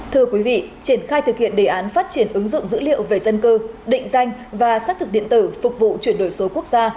thưa quý vị triển khai thực hiện đề án phát triển ứng dụng dữ liệu về dân cư định danh và xác thực điện tử phục vụ chuyển đổi số quốc gia